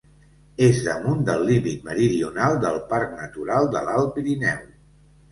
És damunt del límit meridional del Parc Natural de l'Alt Pirineu.